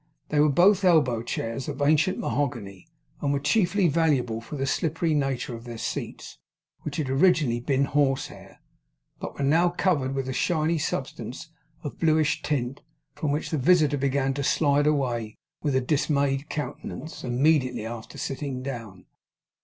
They were both elbow chairs, of ancient mahogany; and were chiefly valuable for the slippery nature of their seats, which had been originally horsehair, but were now covered with a shiny substance of a bluish tint, from which the visitor began to slide away with a dismayed countenance, immediately after sitting down.